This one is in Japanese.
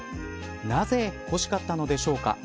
なぜ欲しかったのでしょうか。